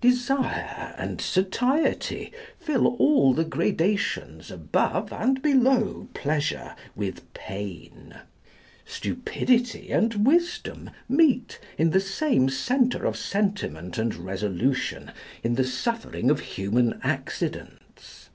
Desire and satiety fill all the gradations above and below pleasure with pain. Stupidity and wisdom meet in the same centre of sentiment and resolution, in the suffering of human accidents.